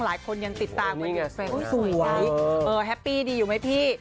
หลายคนยังติดตามสวยแฮปปี้ดีอยู่ไหมพี่